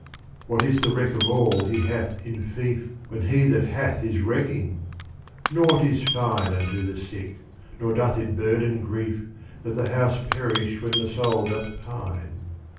What is the wreck of all he hath in fief When he that hath is wrecking ? nought is fine Unto the sick, nor doth it burden grief That the house perish when the soul doth pine.